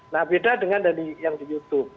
nah beda dengan yang di youtube